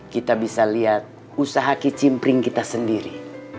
kita bisa lihat usaha kicimpring kita sendiri